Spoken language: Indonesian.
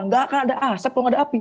tidak akan ada asap kalau tidak ada api